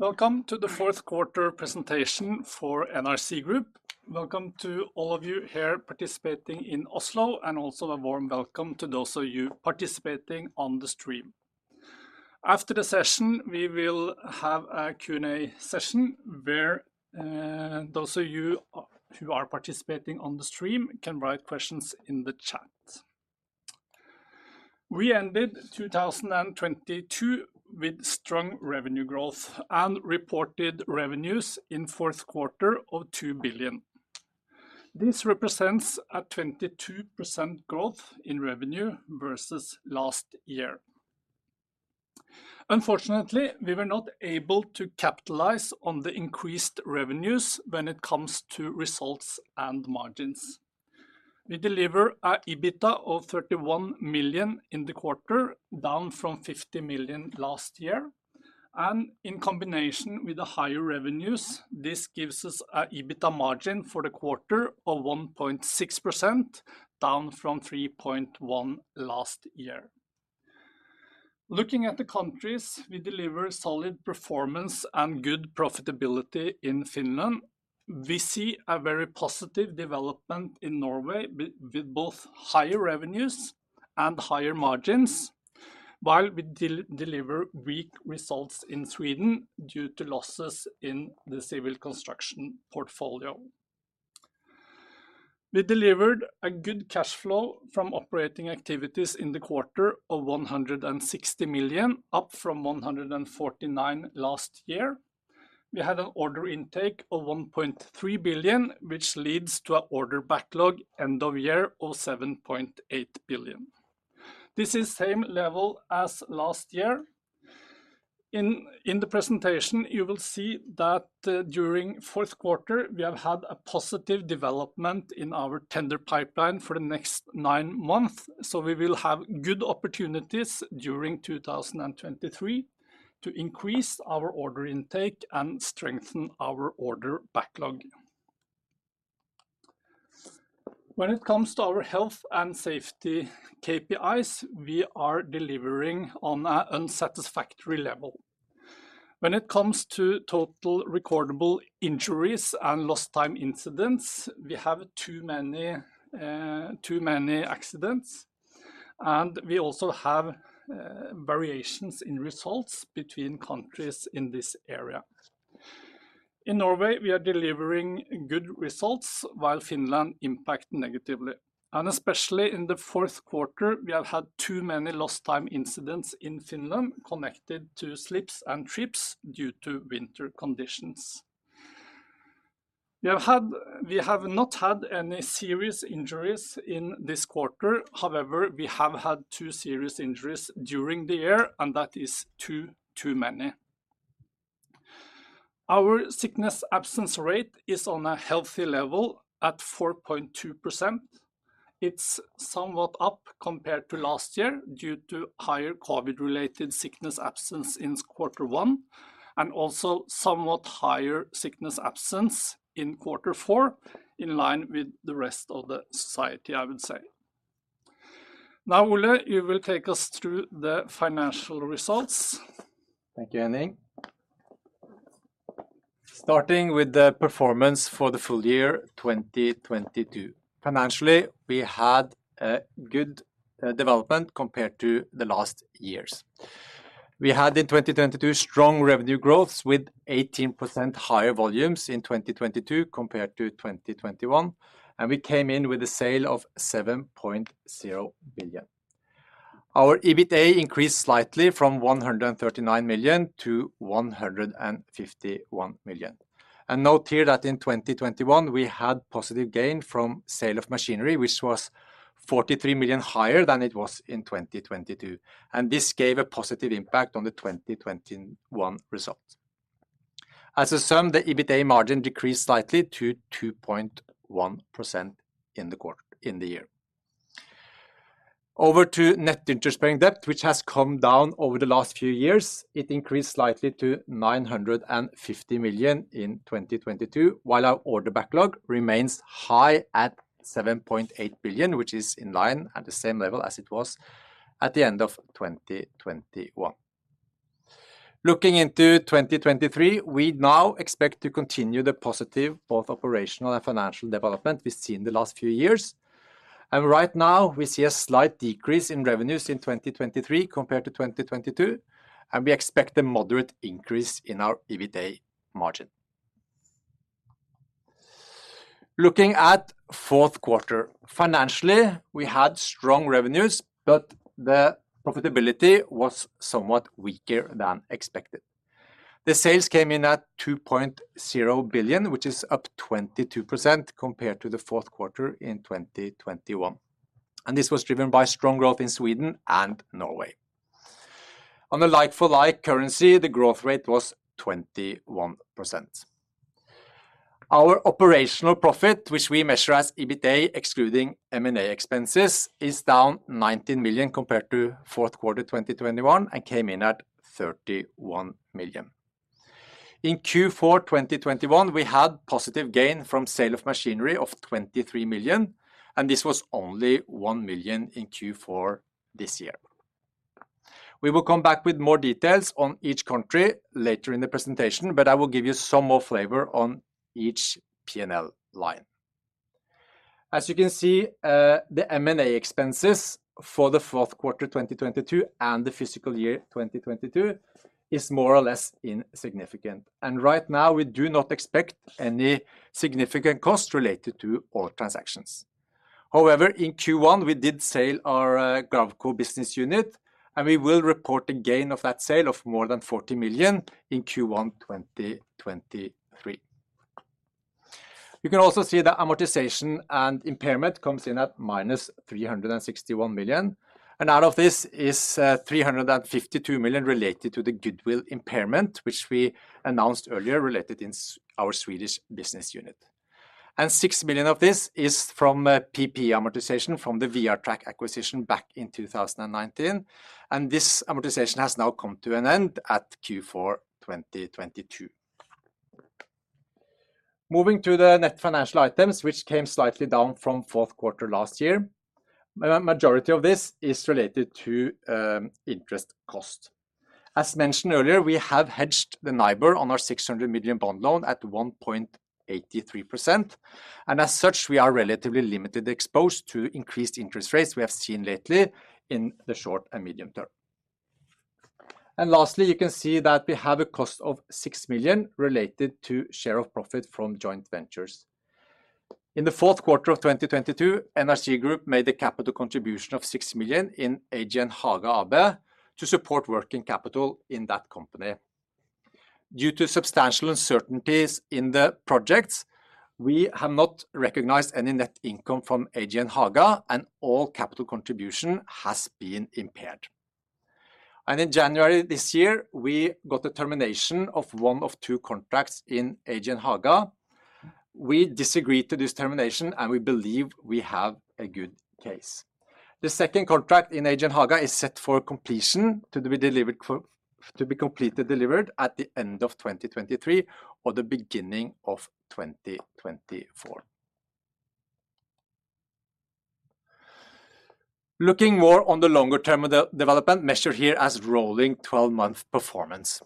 Welcome to the fourth quarter presentation for NRC Group. Welcome to all of you here participating in Oslo, also a warm welcome to those of you participating on the stream. After the session, we will have a Q&A session where those of you who are participating on the stream can write questions in the chat. We ended 2022 with strong revenue growth and reported revenues in fourth quarter of 2 billion. This represents a 22% growth in revenue versus last year. Unfortunately, we were not able to capitalize on the increased revenues when it comes to results and margins. We deliver a EBITDA of 31 million in the quarter, down from 50 million last year. In combination with the higher revenues, this gives us a EBITDA margin for the quarter of 1.6%, down from 3.1% last year. Looking at the countries, we deliver solid performance and good profitability in Finland. We see a very positive development in Norway with both higher revenues and higher margins. While we deliver weak results in Sweden due to losses in the civil construction portfolio. We delivered a good cash flow from operating activities in the quarter of 160 million, up from 149 last year. We had an order intake of 1.3 billion, which leads to a order backlog end of year of 7.8 billion. This is same level as last year. In the presentation, you will see that during fourth quarter, we have had a positive development in our tender pipeline for the next nine months, so we will have good opportunities during 2023 to increase our order intake and strengthen our order backlog. When it comes to our health and safety KPIs, we are delivering on a unsatisfactory level. When it comes to total recordable injuries and lost time incidents, we have too many accidents, and we also have variations in results between countries in this area. In Norway, we are delivering good results while Finland impact negatively. Especially in the fourth quarter, we have had too many lost time incidents in Finland connected to slips and trips due to winter conditions. We have not had any serious injuries in this quarter. However, we have had two serious injuries during the year, and that is two too many. Our sickness absence rate is on a healthy level at 4.2%. It's somewhat up compared to last year due to higher COVID-related sickness absence in quarter one, and also somewhat higher sickness absence in quarter four, in line with the rest of the society, I would say. Ole, you will take us through the financial results. Thank you, Henning. Starting with the performance for the full year 2022. Financially, we had a good development compared to the last years. We had in 2022, strong revenue growth with 18% higher volumes in 2022 compared to 2021. We came in with a sale of 7.0 billion. Our EBITA increased slightly from 139 million-151 million. Note here that in 2021, we had positive gain from sale of machinery, which was 43 million higher than it was in 2022, and this gave a positive impact on the 2021 results. As assumed, the EBITA margin decreased slightly to 2.1% in the year. Over to net interest-bearing debt, which has come down over the last few years. It increased slightly to 950 million in 2022, while our order backlog remains high at 7.8 billion, which is in line at the same level as it was at the end of 2021. Right now we see a slight decrease in revenues in 2023 compared to 2022, and we expect a moderate increase in our EBITA margin. Looking at fourth quarter, financially, we had strong revenues, the profitability was somewhat weaker than expected. The sales came in at 2.0 billion, which is up 22% compared to the fourth quarter in 2021, this was driven by strong growth in Sweden and Norway. On a like-for-like currency, the growth rate was 21%. Our operational profit, which we measure as EBITA excluding M&A expenses, is down 19 million compared to fourth quarter 2021 and came in at 31 million. In Q4 2021, we had positive gain from sale of machinery of 23 million, and this was only 1 million in Q4 this year. We will come back with more details on each country later in the presentation, but I will give you some more flavor on each P&L line. As you can see, the M&A expenses for the fourth quarter 2022 and the fiscal year 2022 is more or less insignificant. Right now we do not expect any significant cost related to all transactions. However, in Q1 we did sell our Gravco business unit, and we will report a gain of that sale of more than 40 million in Q1 2023. You can also see that amortization and impairment comes in at minus 361 million. Out of this is 352 million related to the goodwill impairment, which we announced earlier, related in our Swedish business unit. 6 million of this is from PP amortization from the VR Track acquisition back in 2019, and this amortization has now come to an end at Q4 2022. Moving to the net financial items, which came slightly down from fourth quarter last year. A majority of this is related to interest cost. As mentioned earlier, we have hedged the NIBOR on our 600 million bond loan at 1.83%, and as such, we are relatively limited exposed to increased interest rates we have seen lately in the short and medium term. Lastly, you can see that we have a cost of 6 million related to share of profit from joint ventures. In the fourth quarter of 2022, NRC Group made a capital contribution of 6 million in AGN Haga AB to support working capital in that company. Due to substantial uncertainties in the projects, we have not recognized any net income from AGN Haga and all capital contribution has been impaired. In January this year, we got the termination of one of two contracts in AGN Haga. We disagreed to this termination, and we believe we have a good case. The second contract in AGN Haga is set for completion to be completely delivered at the end of 2023 or the beginning of 2024. Looking more on the longer-term development measured here as rolling twelve-month performance.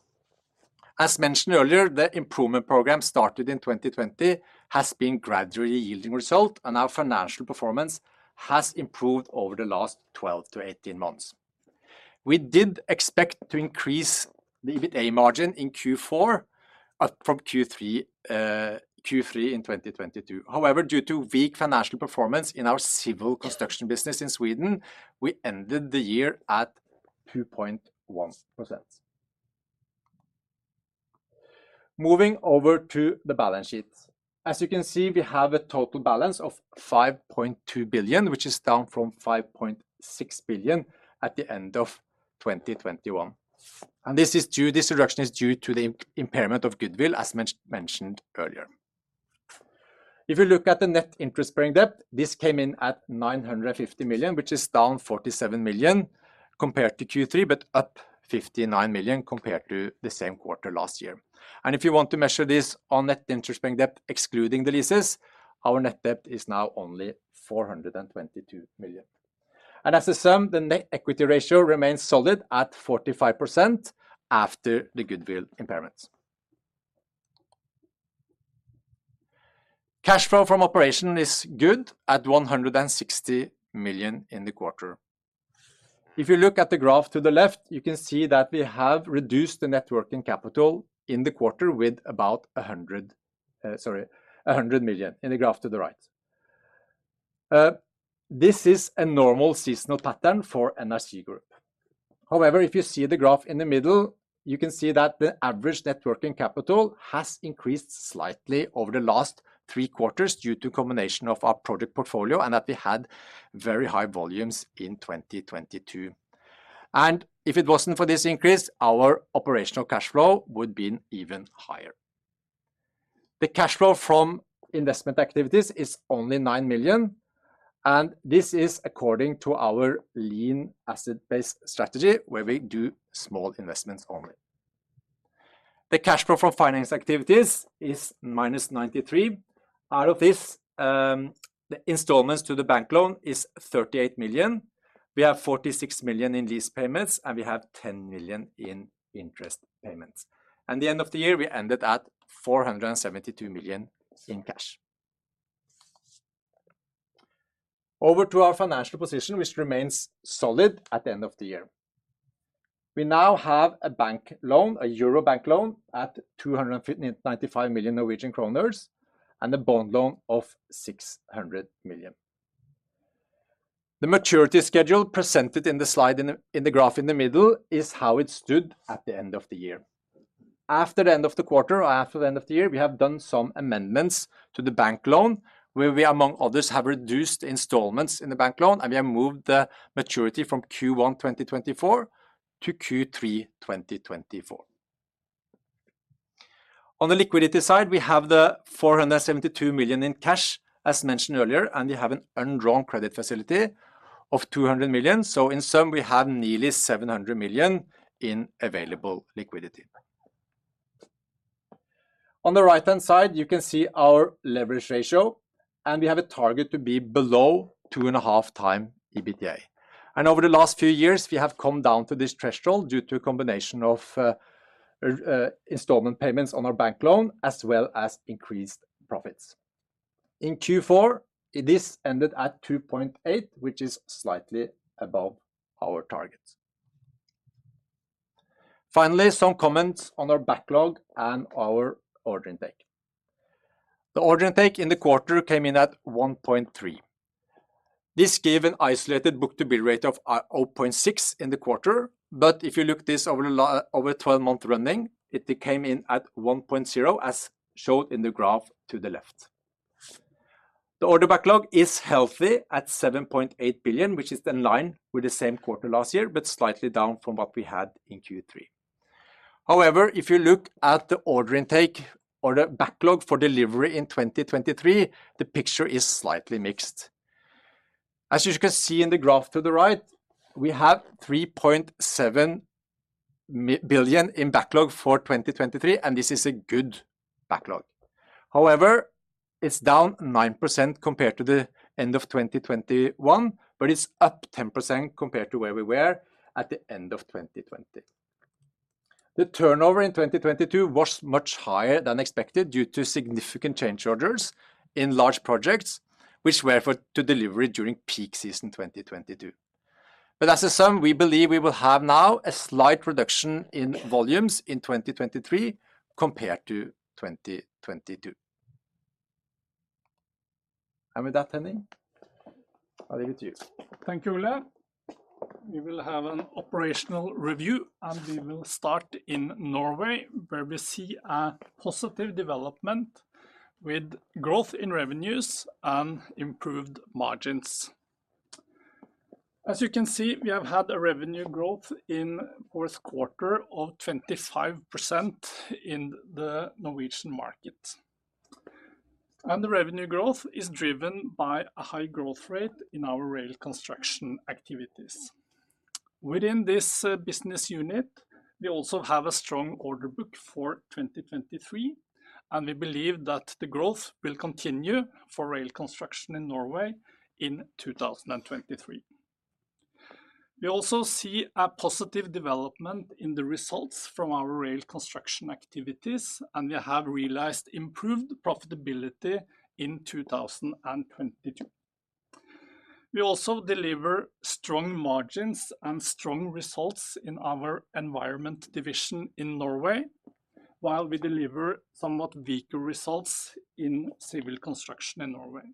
As mentioned earlier, the improvement program started in 2020 has been gradually yielding result, and our financial performance has improved over the last 12-18 months. We did expect to increase the EBITA margin in Q4, from Q3 in 2022. However, due to weak financial performance in our civil construction business in Sweden, we ended the year at 2.1%. Moving over to the balance sheet. As you can see, we have a total balance of 5.2 billion, which is down from 5.6 billion at the end of 2021. This reduction is due to the impairment of goodwill, as mentioned earlier. If you look at the net interest-bearing debt, this came in at 950 million, which is down 47 million compared to Q3, but up 59 million compared to the same quarter last year. If you want to measure this on net interest-bearing debt, excluding the leases, our net debt is now only 422 million. As a sum, the net equity ratio remains solid at 45% after the goodwill impairments. Cash flow from operation is good at 160 million in the quarter. If you look at the graph to the left, you can see that we have reduced the net working capital in the quarter with about 100 million in the graph to the right. This is a normal seasonal pattern for NRC Group. However, if you see the graph in the middle, you can see that the average net working capital has increased slightly over the last three quarters due to a combination of our project portfolio and that we had very high volumes in 2022. If it wasn't for this increase, our operational cash flow would be even higher. The cash flow from investment activities is only 9 million, and this is according to our lean asset-based strategy, where we do small investments only. The cash flow from finance activities is minus 93 million. Out of this, the installments to the bank loan is 38 million. We have 46 million in these payments, and we have 10 million in interest payments. At the end of the year, we ended at 472 million in cash. Over to our financial position, which remains solid at the end of the year. We now have a bank loan, a euro bank loan at 295 million Norwegian kroner, and a bond loan of 600 million. The maturity schedule presented in the slide in the graph in the middle is how it stood at the end of the year. After the end of the quarter or after the end of the year, we have done some amendments to the bank loan, where we among others, have reduced installments in the bank loan, and we have moved the maturity from Q1 2024 to Q3 2024. On the liquidity side, we have the 472 million in cash, as mentioned earlier, and we have an undrawn credit facility of 200 million. In sum, we have nearly 700 million in available liquidity. On the right-hand side, you can see our leverage ratio, and we have a target to be below 2.5x EBITDA. Over the last few years, we have come down to this threshold due to a combination of installment payments on our bank loan as well as increased profits. In Q4, this ended at 2.8, which is slightly above our target. Finally, some comments on our backlog and our order intake. The order intake in the quarter came in at 1.3. This gave an isolated book-to-bill rate of 0.6 in the quarter, but if you look this over twelve-month running, it came in at 1.0, as shown in the graph to the left. The order backlog is healthy at 7.8 billion, which is in line with the same quarter last year, but slightly down from what we had in Q3. If you look at the order intake or the backlog for delivery in 2023, the picture is slightly mixed. As you can see in the graph to the right, we have 3.7 billion in backlog for 2023, and this is a good backlog. It's down 9% compared to the end of 2021, but it's up 10% compared to where we were at the end of 2020. The turnover in 2022 was much higher than expected due to significant change orders in large projects which were for to delivery during peak season 2022. As a sum, we believe we will have now a slight reduction in volumes in 2023 compared to 2022. With that, Henning, I leave it to you. Thank you, Ole. We will have an operational review. We will start in Norway, where we see a positive development with growth in revenues and improved margins. As you can see, we have had a revenue growth in fourth quarter of 25% in the Norwegian market. The revenue growth is driven by a high growth rate in our rail construction activities. Within this business unit, we also have a strong order book for 2023. We believe that the growth will continue for rail construction in Norway in 2023. We also see a positive development in the results from our rail construction activities. We have realized improved profitability in 2022. We also deliver strong margins and strong results in our environment division in Norway, while we deliver somewhat weaker results in civil construction in Norway.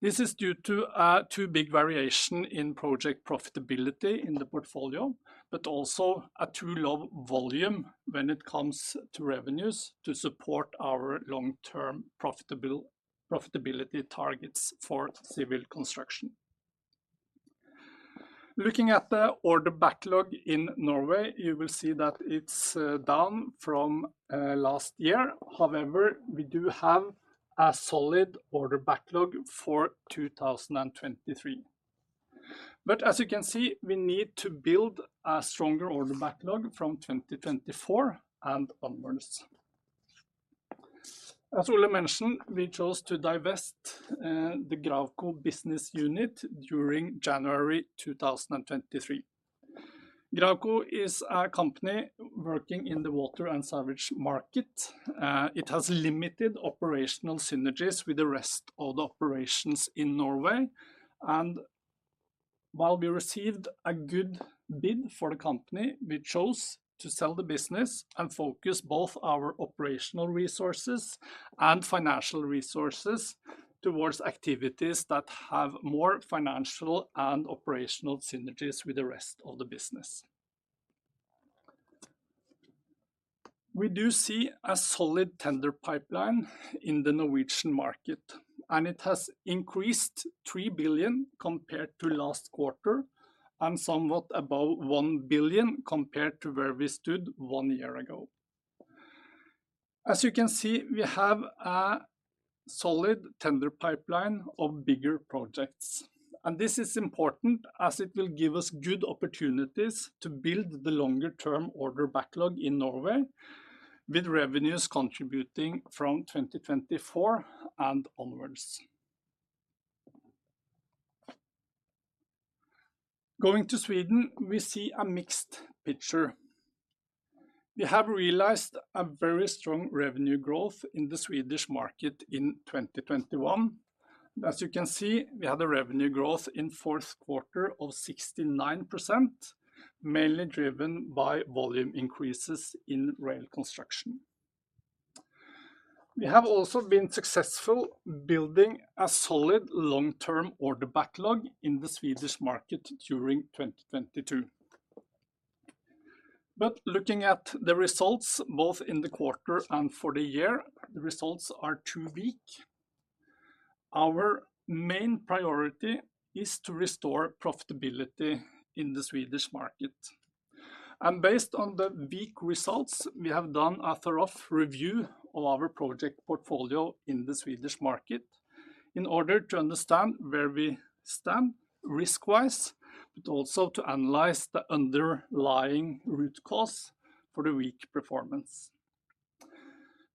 This is due to a too big variation in project profitability in the portfolio, but also a too low volume when it comes to revenues to support our long-term profitability targets for civil construction. Looking at the order backlog in Norway, you will see that it's down from last year. However, we do have a solid order backlog for 2023. As you can see, we need to build a stronger order backlog from 2024 and onwards. As Ole mentioned, we chose to divest the Gravco business unit during January 2023. Gravco is a company working in the water and sewage market. It has limited operational synergies with the rest of the operations in Norway. While we received a good bid for the company, we chose to sell the business and focus both our operational resources and financial resources towards activities that have more financial and operational synergies with the rest of the business. We do see a solid tender pipeline in the Norwegian market, and it has increased 3 billion compared to last quarter and somewhat above 1 billion compared to where we stood one year ago. As you can see, we have a solid tender pipeline of bigger projects, and this is important as it will give us good opportunities to build the longer-term order backlog in Norway with revenues contributing from 2024 and onwards. Going to Sweden, we see a mixed picture. We have realized a very strong revenue growth in the Swedish market in 2021. As you can see, we had a revenue growth in fourth quarter of 69%, mainly driven by volume increases in rail construction. We have also been successful building a solid long-term order backlog in the Swedish market during 2022. Looking at the results both in the quarter and for the year, the results are too weak. Our main priority is to restore profitability in the Swedish market. Based on the weak results, we have done a thorough review of our project portfolio in the Swedish market in order to understand where we stand risk-wise, but also to analyze the underlying root cause for the weak performance.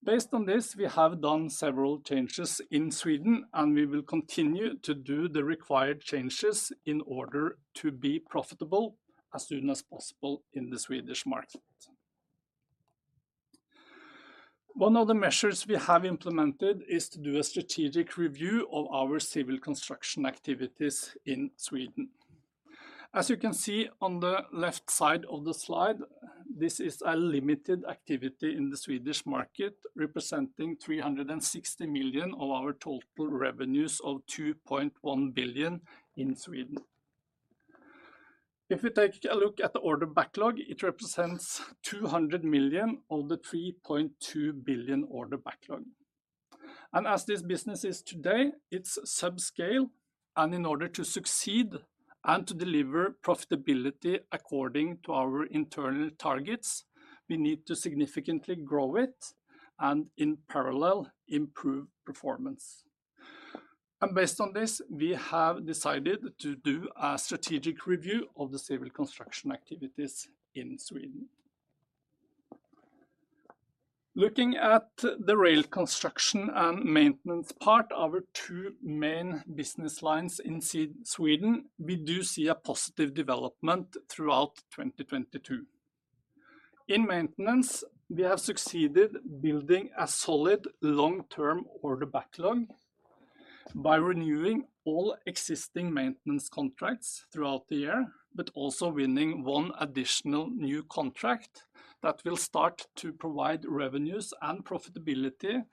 Based on this, we have done several changes in Sweden, and we will continue to do the required changes in order to be profitable as soon as possible in the Swedish market. One of the measures we have implemented is to do a strategic review of our civil construction activities in Sweden. As you can see on the left side of the slide, this is a limited activity in the Swedish market, representing 360 million of our total revenues of 2.1 billion in Sweden. If we take a look at the order backlog, it represents 200 million of the 3.2 billion order backlog. As this business is today, it's subscale, and in order to succeed and to deliver profitability according to our internal targets, we need to significantly grow it and in parallel, improve performance. Based on this, we have decided to do a strategic review of the civil construction activities in Sweden. Looking at the rail construction and maintenance part, our two main business lines in Sweden, we do see a positive development throughout 2022. In maintenance, we have succeeded building a solid long-term order backlog by renewing all existing maintenance contracts throughout the year, but also winning one additional new contract that will start to provide revenues and profitability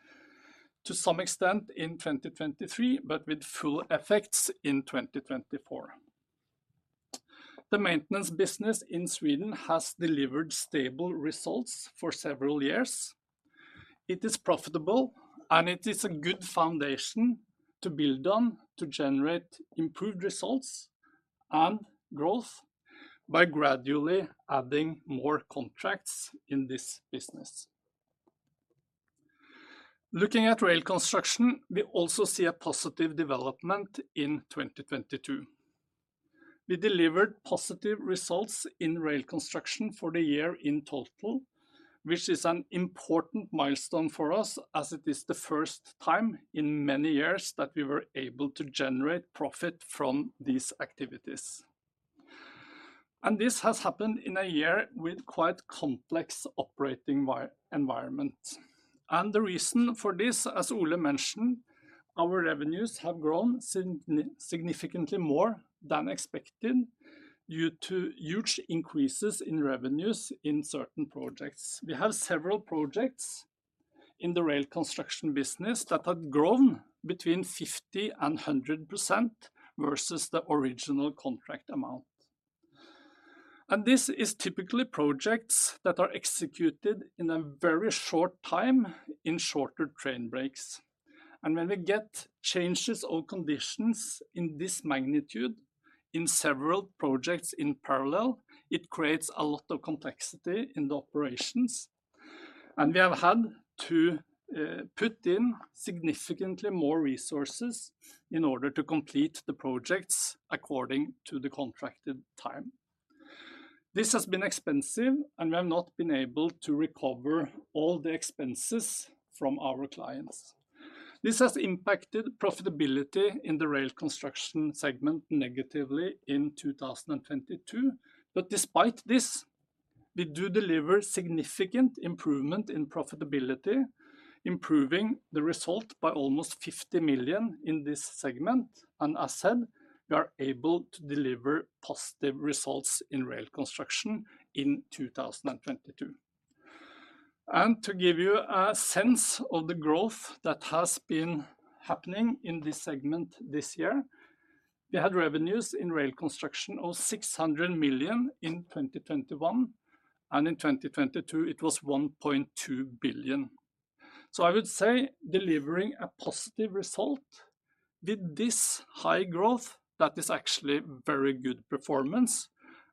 to some extent in 2023, but with full effects in 2024. The maintenance business in Sweden has delivered stable results for several years. It is profitable, it is a good foundation to build on to generate improved results and growth by gradually adding more contracts in this business. Looking at rail construction, we also see a positive development in 2022. We delivered positive results in rail construction for the year in total, which is an important milestone for us as it is the first time in many years that we were able to generate profit from these activities. This has happened in a year with quite complex operating environment. The reason for this, as Ole mentioned, our revenues have grown significantly more than expected due to huge increases in revenues in certain projects. We have several projects in the rail construction business that have grown between 50% and 100% versus the original contract amount. This is typically projects that are executed in a very short time in shorter train breaks. When we get changes or conditions in this magnitude in several projects in parallel, it creates a lot of complexity in the operations. We have had to put in significantly more resources in order to complete the projects according to the contracted time. This has been expensive, and we have not been able to recover all the expenses from our clients. This has impacted profitability in the rail construction segment negatively in 2022. Despite this, we do deliver significant improvement in profitability, improving the result by almost 50 million in this segment. As said, we are able to deliver positive results in rail construction in 2022. To give you a sense of the growth that has been happening in this segment this year, we had revenues in rail construction of 600 million in 2021, and in 2022 it was 1.2 billion. I would say delivering a positive result with this high growth, that is actually very good performance,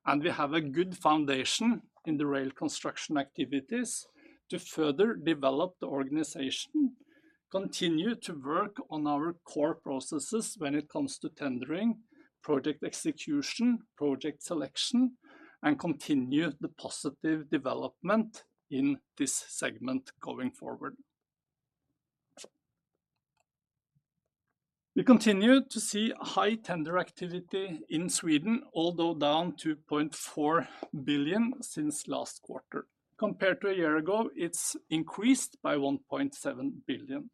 and we have a good foundation in the rail construction activities to further develop the organization, continue to work on our core processes when it comes to tendering, project execution, project selection, and continue the positive development in this segment going forward. We continue to see high tender activity in Sweden, although down 2.4 billion since last quarter. Compared to a year ago, it's increased by 1.7 billion.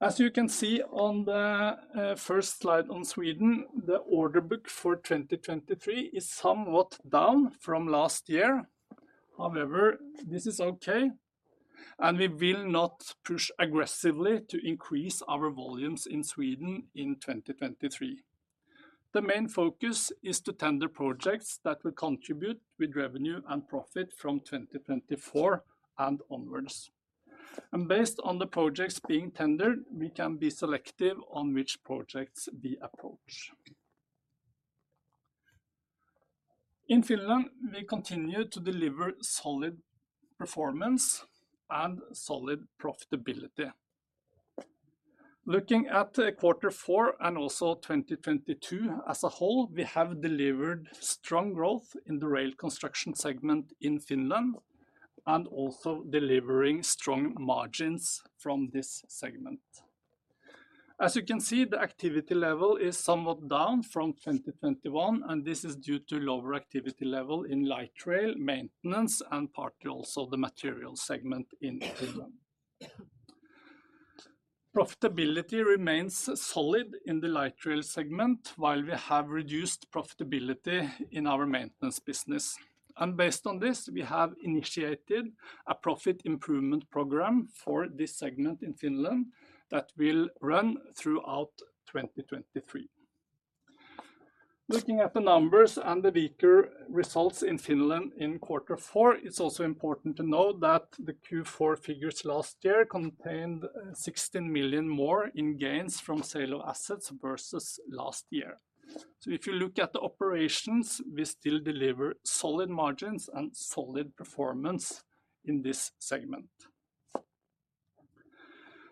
As you can see on the first slide on Sweden, the order book for 2023 is somewhat down from last year. However, this is okay, and we will not push aggressively to increase our volumes in Sweden in 2023. The main focus is to tender projects that will contribute with revenue and profit from 2024 and onwards. Based on the projects being tendered, we can be selective on which projects we approach. In Finland, we continue to deliver solid performance and solid profitability. Looking at Q4 and also 2022 as a whole, we have delivered strong growth in the rail construction segment in Finland and also delivering strong margins from this segment. As you can see, the activity level is somewhat down from 2021, this is due to lower activity level in light rail, maintenance, and partly also the material segment in Finland. Profitability remains solid in the light rail segment, while we have reduced profitability in our maintenance business. Based on this, we have initiated a profit improvement program for this segment in Finland that will run throughout 2023. Looking at the numbers and the weaker results in Finland in quarter four, it's also important to note that the Q4 figures last year contained 16 million more in gains from sale of assets versus last year. If you look at the operations, we still deliver solid margins and solid performance in this segment.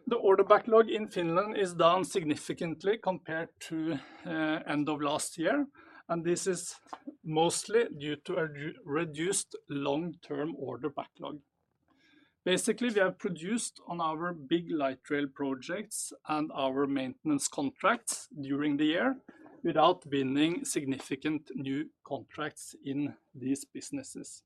The order backlog in Finland is down significantly compared to end of last year, and this is mostly due to a reduced long-term order backlog. Basically, we have produced on our big light rail projects and our maintenance contracts during the year without winning significant new contracts in these businesses.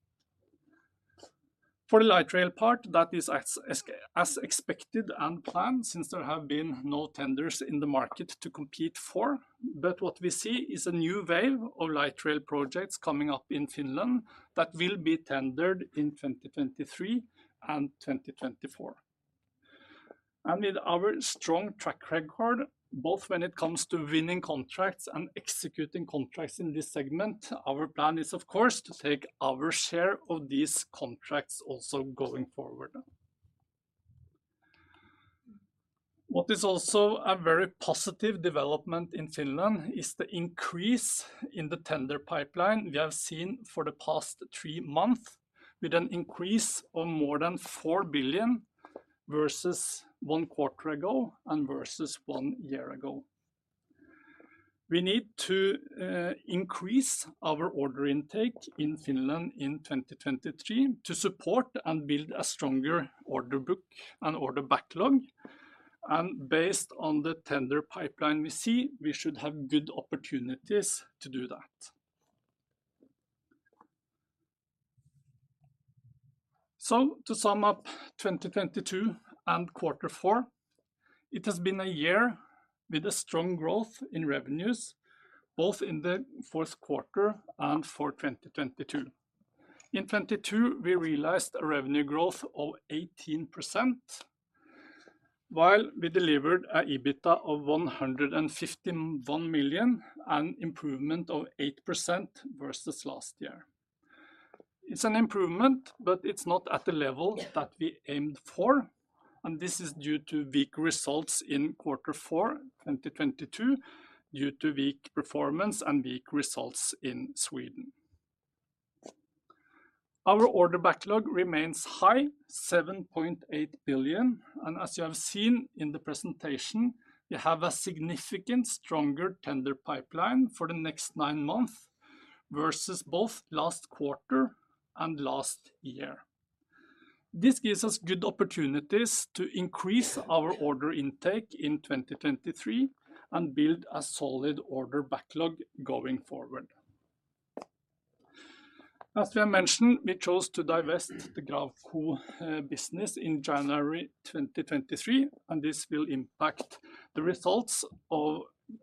For the light rail part, that is as expected and planned since there have been no tenders in the market to compete for. What we see is a new wave of light rail projects coming up in Finland that will be tendered in 2023 and 2024. With our strong track record, both when it comes to winning contracts and executing contracts in this segment, our plan is, of course, to take our share of these contracts also going forward. What is also a very positive development in Finland is the increase in the tender pipeline we have seen for the past three months, with an increase of more than 4 billion versus one quarter ago and versus one year ago. We need to increase our order intake in Finland in 2023 to support and build a stronger order book and order backlog. Based on the tender pipeline we see, we should have good opportunities to do that. To sum up 2022 and Q4, it has been a year with a strong growth in revenues, both in the fourth quarter and for 2022. In 2022, we realized a revenue growth of 18%, while we delivered a EBITDA of 151 million, an improvement of 8% versus last year. It's an improvement, but it's not at the level that we aimed for, and this is due to weak results in Q4 2022 due to weak performance and weak results in Sweden. Our order backlog remains high, 7.8 billion. As you have seen in the presentation, we have a significant stronger tender pipeline for the next nine months versus both last quarter and last year. This gives us good opportunities to increase our order intake in 2023 and build a solid order backlog going forward. As we have mentioned, we chose to divest the Gravco business in January 2023, and this will impact the results of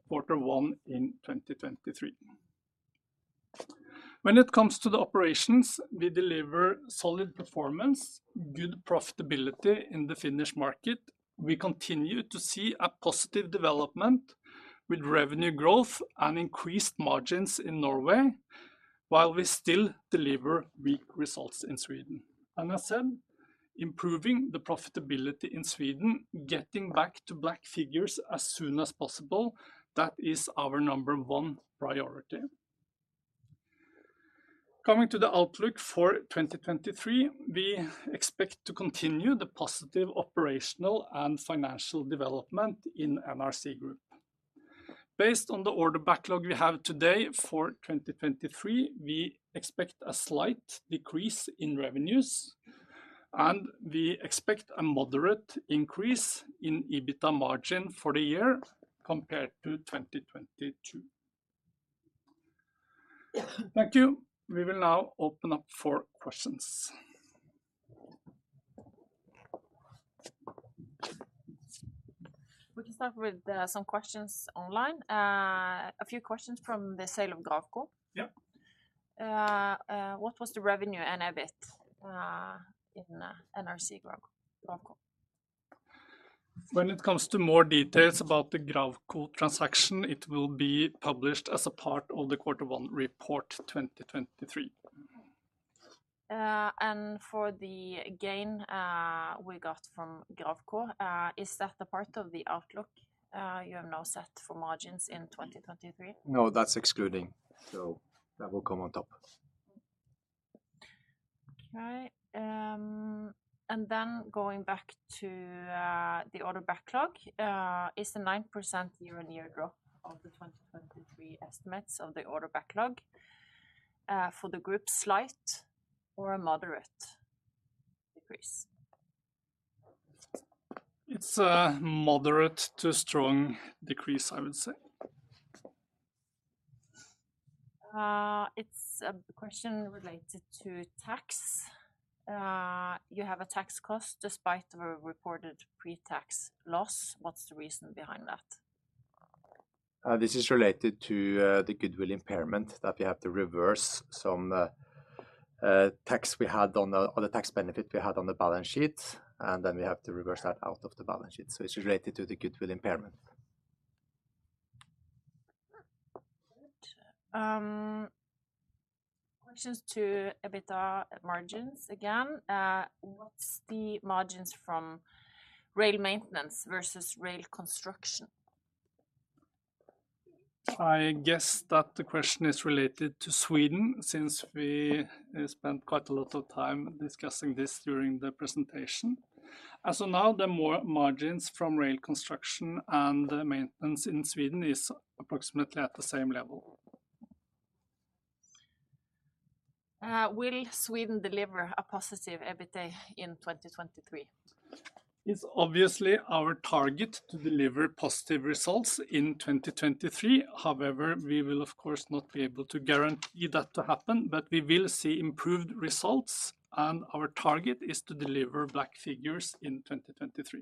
Q1 in 2023. When it comes to the operations, we deliver solid performance, good profitability in the Finnish market. We continue to see a positive development with revenue growth and increased margins in Norway, while we still deliver weak results in Sweden. As said, improving the profitability in Sweden, getting back to black figures as soon as possible, that is our number one priority. Coming to the outlook for 2023, we expect to continue the positive operational and financial development in NRC Group. Based on the order backlog we have today for 2023, we expect a slight decrease in revenues, and we expect a moderate increase in EBITDA margin for the year compared to 2022. Thank you. We will now open up for questions. We can start with, some questions online. A few questions from the sale of Gravco. Yeah. What was the revenue and EBIT in NRC Gravco? When it comes to more details about the Gravco transaction, it will be published as a part of the quarter one report 2023. For the gain, we got from Gravco, is that a part of the outlook, you have now set for margins in 2023? No, that's excluding. That will come on top. Okay. Going back to the order backlog, is the 9% year-on-year drop of the 2023 estimates of the order backlog for the group slight or a moderate decrease? It's a moderate to strong decrease, I would say. It's a question related to tax. You have a tax cost despite a reported pre-tax loss. What's the reason behind that? This is related to the goodwill impairment that we have to reverse some tax benefit we had on the balance sheet, and then we have to reverse that out of the balance sheet. It's related to the goodwill impairment. Good. Questions to EBITDA margins again. What's the margins from rail maintenance versus rail construction? I guess that the question is related to Sweden since we spent quite a lot of time discussing this during the presentation. As of now, the more margins from rail construction and the maintenance in Sweden is approximately at the same level. Will Sweden deliver a positive EBITA in 2023? It's obviously our target to deliver positive results in 2023. However, we will of course not be able to guarantee that to happen. We will see improved results, and our target is to deliver black figures in 2023.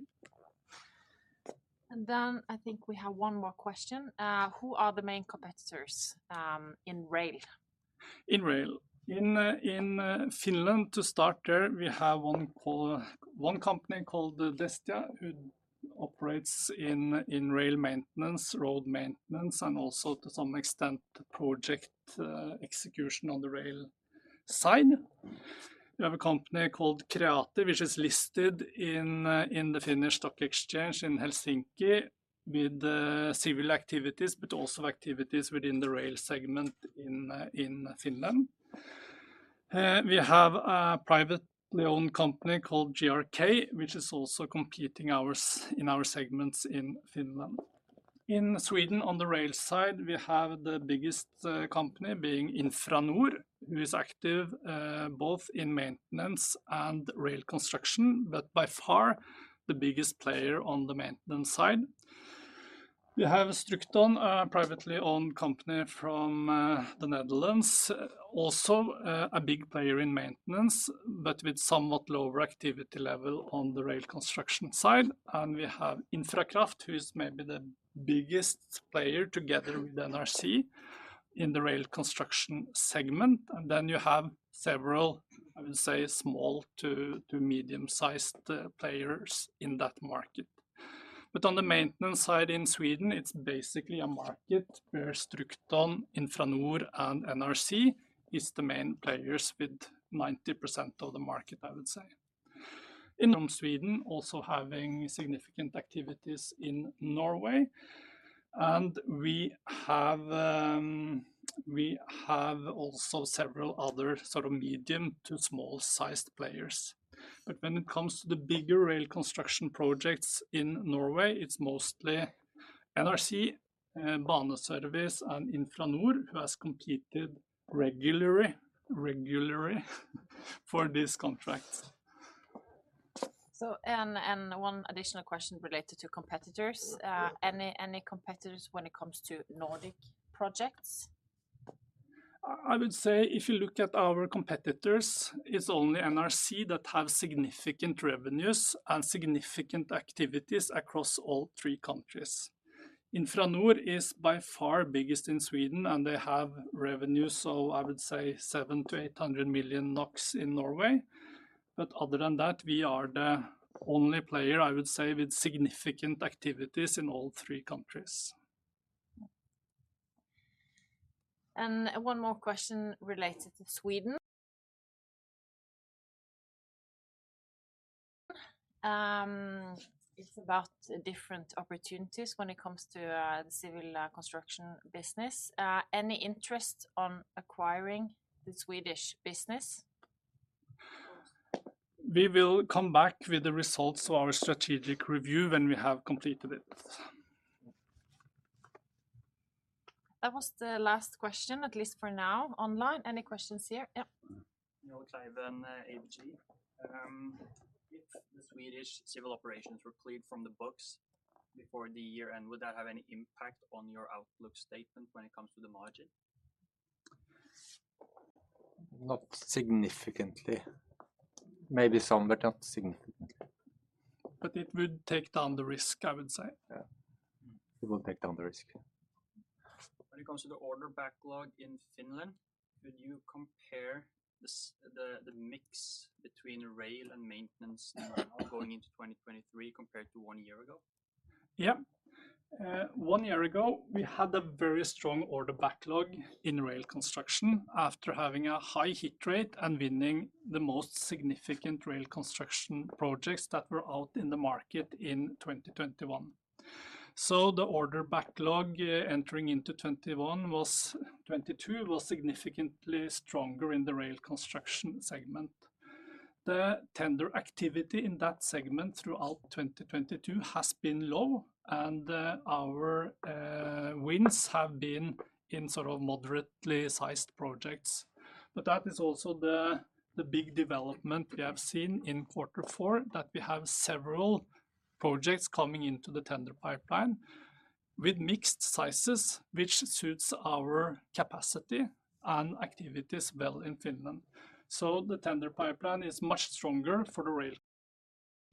I think we have one more question. Who are the main competitors in rail? In rail. In Finland, to start there, we have one company called Destia, who operates in rail maintenance, road maintenance, and also to some extent project execution on the rail side. We have a company called Kreate Group, which is listed in Nasdaq Helsinki with civil activities, but also activities within the rail segment in Finland. We have a privately owned company called GRK, which is also competing in our segments in Finland. In Sweden, on the rail side, we have the biggest company being Infranord, who is active both in maintenance and rail construction, but by far the biggest player on the maintenance side. We have Strukton, a privately owned company from the Netherlands, also a big player in maintenance, but with somewhat lower activity level on the rail construction side. We have Infrakraft, who is maybe the biggest player together with NRC in the rail construction segment. Then you have several, I would say, small to medium-sized players in that market. On the maintenance side in Sweden, it's basically a market where Strukton, Infranord, and NRC is the main players with 90% of the market, I would say. In Sweden, also having significant activities in Norway, and we have also several other sort of medium to small-sized players. When it comes to the bigger rail construction projects in Norway, it's mostly NRC, Baneservice, and Infranord who has competed regularly for these contracts. One additional question related to competitors. Any competitors when it comes to Nordic projects? I would say if you look at our competitors, it's only NRC that have significant revenues and significant activities across all three countries. Infranord is by far biggest in Sweden. They have revenues, so I would say 700 million-800 million NOK in Norway. Other than that, we are the only player, I would say, with significant activities in all three countries. One more question related to Sweden. It's about different opportunities when it comes to the civil construction business. Any interest on acquiring the Swedish business? We will come back with the results of our strategic review when we have completed it. That was the last question, at least for now, online. Any questions here? Yeah. No claim on ABG. If the Swedish civil operations were cleared from the books before the year-end, would that have any impact on your outlook statement when it comes to the margin? Not significantly. Maybe some, but not significantly. It would take down the risk, I would say. Yeah. It will take down the risk. When it comes to the order backlog in Finland, could you compare the mix between rail and maintenance now going into 2023 compared to one year ago? Yeah. one year ago, we had a very strong order backlog in rail construction after having a high hit rate and winning the most significant rail construction projects that were out in the market in 2021. The order backlog entering into 2022 was significantly stronger in the rail construction segment. The tender activity in that segment throughout 2022 has been low, and our wins have been in sort of moderately sized projects. That is also the big development we have seen in quarter four, that we have several projects coming into the tender pipeline with mixed sizes, which suits our capacity and activities well in Finland. The tender pipeline is much stronger for the rail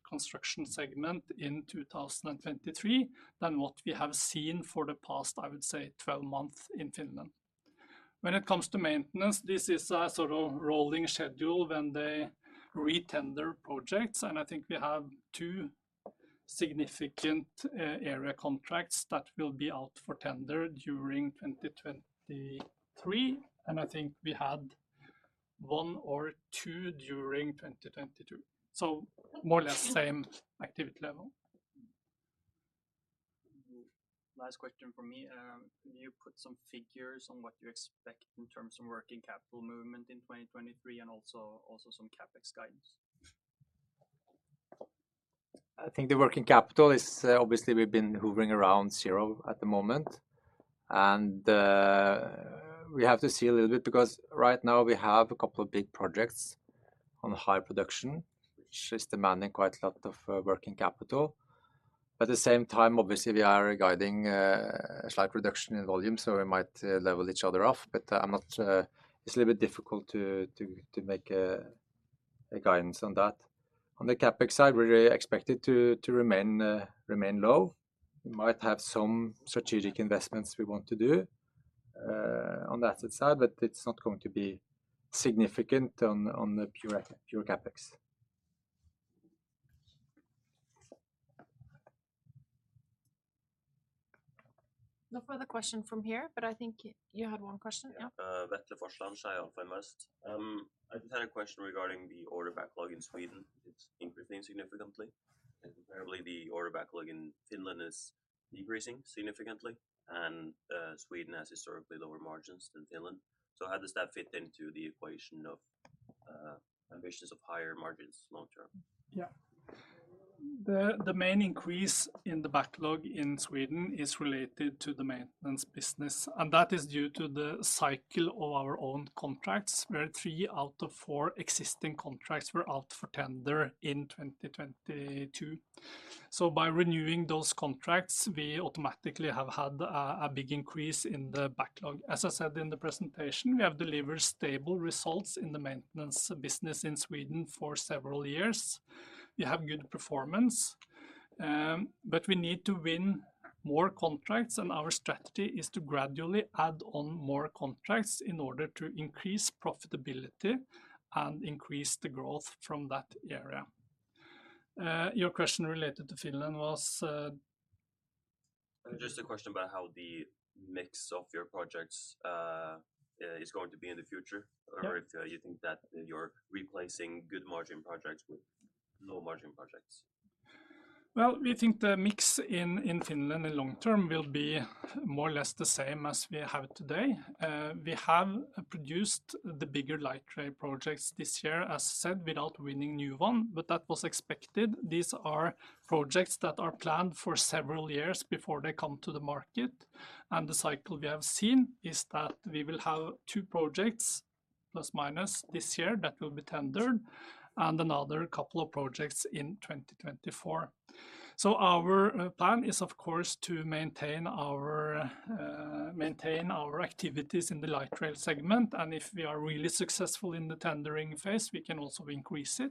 construction segment in 2023 than what we have seen for the past, I would say, 12 months in Finland. When it comes to maintenance, this is a sort of rolling schedule when they re-tender projects, and I think we have two significant, area contracts that will be out for tender during 2023, and I think we had one or two during 2022. More or less same activity level. Last question from me. can you put some figures on what you expect in terms of working capital movement in 2023 and also some CapEx guidance? I think the working capital is obviously we've been hovering around zero at the moment. We have to see a little bit because right now we have a couple of big projects on high production, which is demanding quite a lot of working capital. At the same time obviously we are guiding a slight reduction in volume, we might level each other off. I'm not. It's a little bit difficult to make a guidance on that. On the CapEx side, we expect it to remain low. We might have some strategic investments we want to do on that side, it's not going to be significant on the pure CapEx. No further question from here, but I think you had one question, yeah? Yeah. Vetle Forsland, SEB, if I must. I just had a question regarding the order backlog in Sweden. It's increasing significantly, and comparably, the order backlog in Finland is decreasing significantly. Sweden has historically lower margins than Finland. How does that fit into the equation of ambitions of higher margins long term? Yeah. The main increase in the backlog in Sweden is related to the maintenance business, that is due to the cycle of our own contracts, where three out of four existing contracts were out for tender in 2022. By renewing those contracts, we automatically have had a big increase in the backlog. As I said in the presentation, we have delivered stable results in the maintenance business in Sweden for several years. We have good performance, but we need to win more contracts. Our strategy is to gradually add on more contracts in order to increase profitability and increase the growth from that area. Your question related to Finland was. Just a question about how the mix of your projects is going to be in the future- Yeah... or if, you think that you're replacing good margin projects with low margin projects. Well, we think the mix in Finland in long term will be more or less the same as we have today. We have produced the bigger light rail projects this year, as said, without winning new one, but that was expected. These are projects that are planned for several years before they come to the market, and the cycle we have seen is that we will have two projects, plus minus, this year that will be tendered and another couple of projects in 2024. Our plan is, of course, to maintain our maintain our activities in the light rail segment, and if we are really successful in the tendering phase, we can also increase it.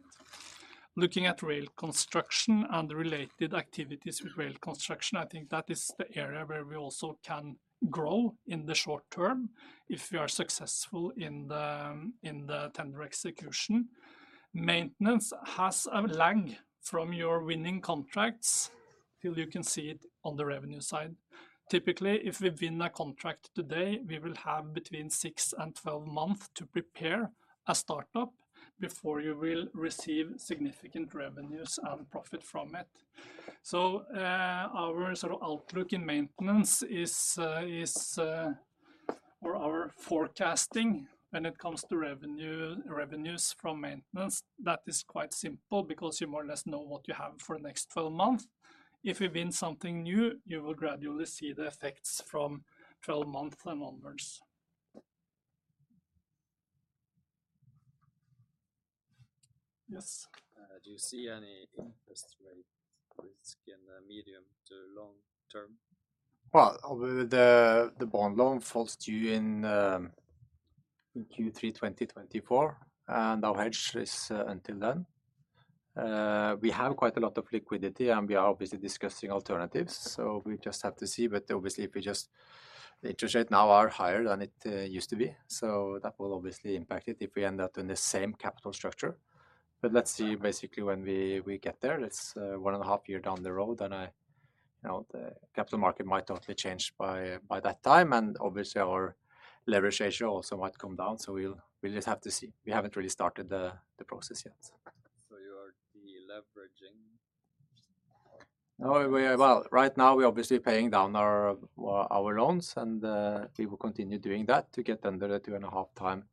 Looking at rail construction and the related activities with rail construction, I think that is the area where we also can grow in the short term if we are successful in the tender execution. Maintenance has a lag from your winning contracts till you can see it on the revenue side. Typically, if we win a contract today, we will have between six and 12 months to prepare a startup before you will receive significant revenues and profit from it. Our sort of outlook in maintenance is, or our forecasting when it comes to revenue, revenues from maintenance, that is quite simple because you more or less know what you have for next 12 months. If you win something new, you will gradually see the effects from 12 months and onwards. Yes? Do you see any interest rate risk in the medium to long term? Well, the bond loan falls due in Q3 2024, our hedge is until then. We have quite a lot of liquidity, we are obviously discussing alternatives, we just have to see. Obviously the interest rate now are higher than it used to be, so that will obviously impact it if we end up in the same capital structure. Let's see basically when we get there. It's one and a half year down the road, I. You know, the capital market might totally change by that time, obviously our leverage ratio also might come down. We'll just have to see. We haven't really started the process yet. You're de-leveraging? No, we are... Well, right now we're obviously paying down our, well, our loans and we will continue doing that to get under the 2.5x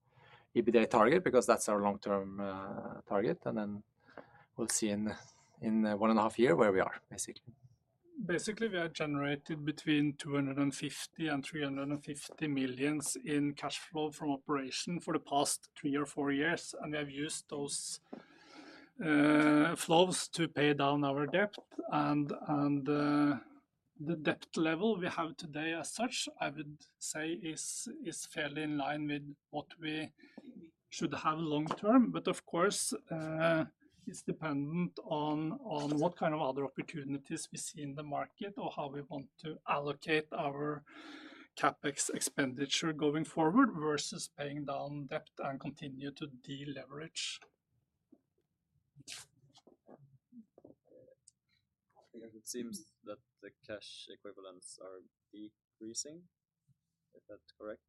EBITDA target because that's our long-term target. Then we'll see in one and a half year where we are basically. Basically, we have generated between 250 million and 350 million in cash flow from operation for the past three or four years, and we have used those flows to pay down our debt. The debt level we have today as such, I would say, is fairly in line with what we should have long term. Of course, it's dependent on what kind of other opportunities we see in the market or how we want to allocate our CapEx expenditure going forward versus paying down debt and continue to de-leverage. It seems that the cash equivalents are decreasing. Is that correct,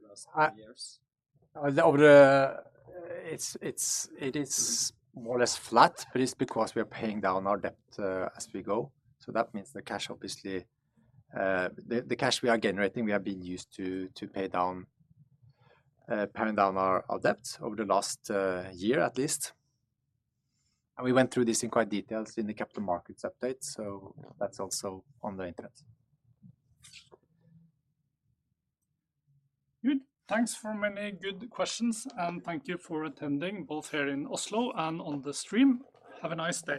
the last 10 years? It is more or less flat, but it's because we are paying down our debt as we go. That means the cash obviously, the cash we are generating, we have been used to pay down, paying down our debt over the last year at least. We went through this in quite details in the capital markets update. That's also on the internet. Good. Thanks for many good questions, and thank you for attending both here in Oslo and on the stream. Have a nice day.